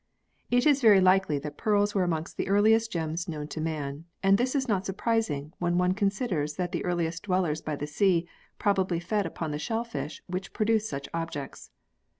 It is very likely that pearls were amongst the earliest gems known to man, and this is not surprising when one considers that the earliest dwellers by the sea probably fed upon the shellfish which produce such objects.